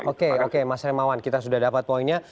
oke oke mas hermawan kita sudah dapat poinnya